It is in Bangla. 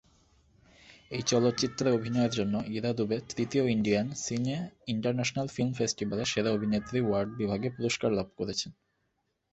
এই চলচ্চিত্রে অভিনয়ের জন্য ইরা দুবে তৃতীয় ইন্ডিয়ান সিনে ইন্টারন্যাশনাল ফিল্ম ফেস্টিভ্যালে সেরা অভিনেত্রী ওয়ার্ড বিভাগে পুরস্কার লাভ করেছেন।